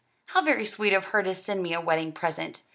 How very sweet of her to send me a wedding present.